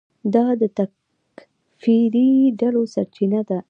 دا د تکفیري ډلو سرچینه ده.